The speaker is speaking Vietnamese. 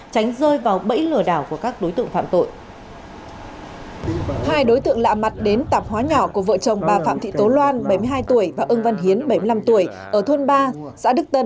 tránh rơi vào bẫy lừa đảo của các đối tượng phạm tội